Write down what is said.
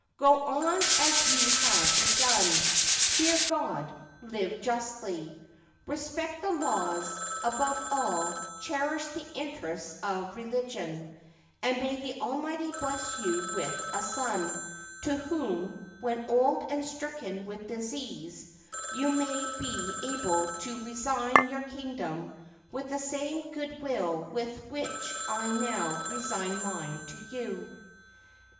Go on as you have begun. Fear God; live justly; respect the laws ; above all, cherish the interests of re ligion, and may the Almighty bless you with a son, to whom, when old and stricken with disease, you may be able to resign your kingdom with the same good will with which I now resign mine to you."